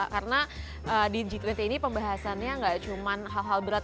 karena di g dua puluh ini pembahasannya nggak cuma hal hal berat